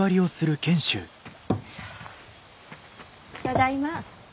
ただいま。